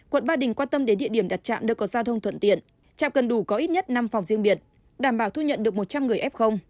quận ba đình quan tâm đến địa điểm đặt trạm nơi có giao thông thuận tiện trạm cần đủ có ít nhất năm phòng riêng biệt đảm bảo thu nhận được một trăm linh người f